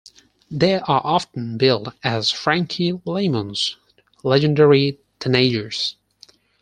They are often billed as "Frankie Lymon's Legendary Teenagers".